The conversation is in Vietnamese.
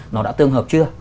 nó đã tương hợp chưa